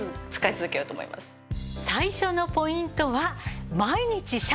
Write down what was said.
最初のポイントは。